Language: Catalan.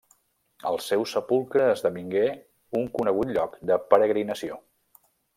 El seu sepulcre esdevingué un conegut lloc de peregrinació.